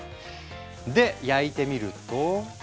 で焼いてみると。